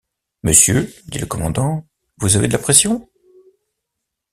Monsieur, dit le commandant, vous avez de la pression?